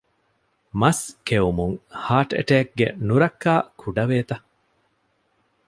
މަސް ކެއުމުން ހާޓް އެޓޭކްގެ ނުރައްކާ ކުޑަވޭތަ؟